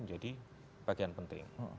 jadi bagian penting